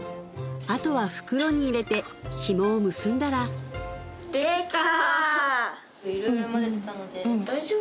あとは袋に入れてひもを結んだらできた！